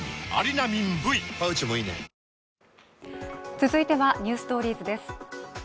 続いては、「ｎｅｗｓｔｏｒｉｅｓ」です。